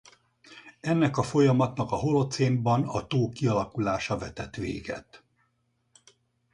Ennek a folyamatnak a holocénban a tó kialakulása vetett véget.